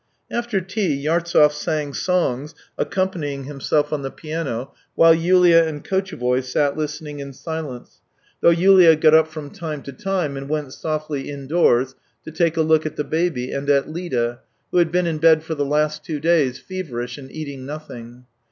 After tea Yartsev sang songs, accompanying himself on the piano, while Yulia and Kotchevoy sat listening in silence, though Yulia got up from THREE YEARS 277 time to time, and went softly indoors, to take a look at the baby and at Lida, who had been in bed for the last two days, feverish and eating nothing.